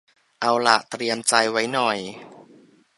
เอาหละเตรียมใจไว้หน่อย